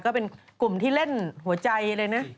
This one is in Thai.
ก็เป็นกลุ่มที่เล่นหัวใจเลยนะ